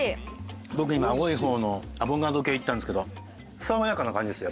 僕今青い方のアボカド系いったんですけど爽やかな感じですよ